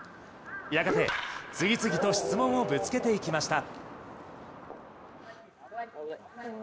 やがて次々と質問をぶつけていきました。